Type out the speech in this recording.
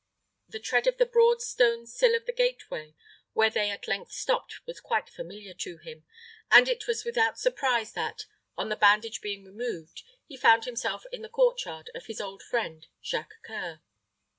The tread of the broad stone sill of the gateway where they at length stopped was quite familiar to him; and it was without surprise that, on the bandage being removed, he found himself in the court yard of his old friend Jacques C[oe]ur.